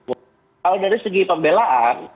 kalau dari segi pembelaan